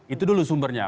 itu dulu sumbernya